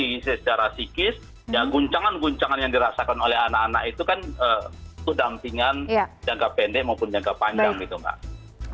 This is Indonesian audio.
jadi secara sikis ya guncangan guncangan yang dirasakan oleh anak anak itu kan itu dampingan jangka pendek maupun jangka panjang gitu mbak